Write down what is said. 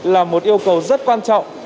là một yêu cầu rất quan trọng